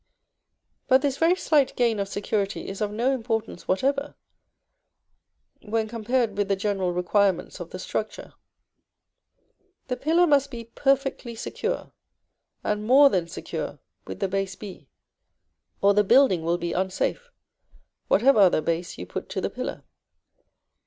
But this very slight gain of security is of no importance whatever when compared with the general requirements of the structure. The pillar must be perfectly secure, and more than secure, with the base b, or the building will be unsafe, whatever other base you put to the pillar.